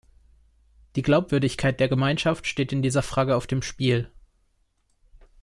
Die Glaubwürdigkeit der Gemeinschaft steht in dieser Frage auf dem Spiel.